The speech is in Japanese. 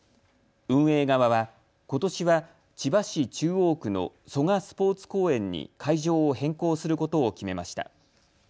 運営側は、ことしは千葉市中央区の蘇我スポーツ公園に会場を変更することを決めました。